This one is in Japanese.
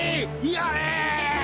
やれ！